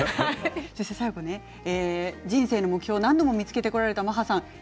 そして最後人生の目標を何度も見つけてこられたマハさん。